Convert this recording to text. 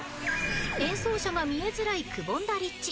［演奏者が見えづらいくぼんだ立地］